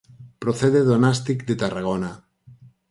Procede do Nástic de Tarragona.